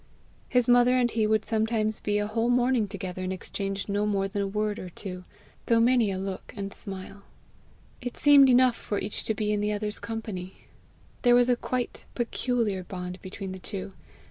His mother and he would sometimes be a whole morning together and exchange no more than a word or two, though many a look and smile. It seemed enough for each to be in the other's company. There was a quite peculiar hond between the two.